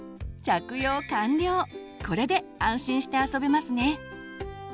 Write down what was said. これで安心して遊べますね。